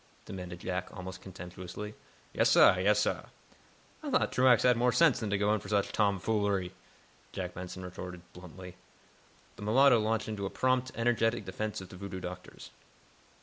demanded Jack, almost contemptuously. "Yes, sah; yes, sah." "I thought Truax had more sense than to go in for such tomfoolery," Jack Benson retorted, bluntly. The mulatto launched into a prompt, energetic defense of the voodoo doctors.